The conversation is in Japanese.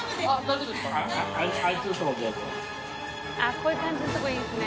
こういう感じのとこいいですね。